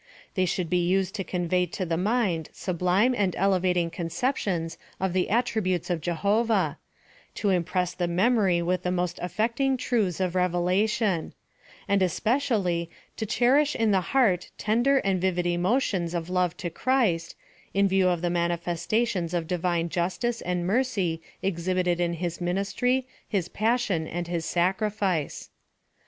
They should be used to convey to the mind sublime and elevating con ceptions of the attributes of Jehovah — to impress the memory with the most affecting truths of reve lation ; and especially to cherish in the heart tender and vivid emotions of love to Christ, in view of the manifestations of divine justice and mercy exhib ited in his ministry, his passion, and his sacrifice.